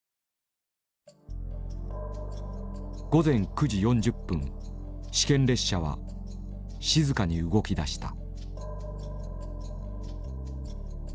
午前９時４０分試験列車は静かに動き出した。